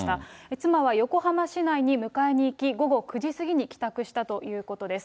妻は横浜市内に迎えに行き、午後９時過ぎに帰宅したということです。